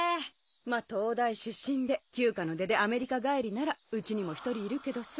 まっ東大出身で旧家の出でアメリカ帰りならうちにも１人いるけどさ。